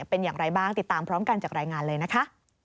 เป็นอย่างไรบ้างติดตามพร้อมกันจากรายงานเลยนะคะ